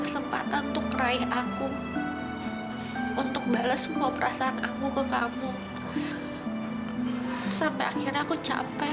sampai akhirnya aku capek